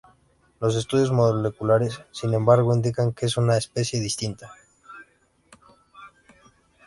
Los estudios moleculares, sin embargo, indican que es una especie distinta.